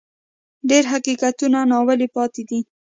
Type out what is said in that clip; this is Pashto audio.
ډېر حقیقتونه ناویلي پاتې دي.